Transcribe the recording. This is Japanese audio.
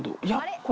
これ。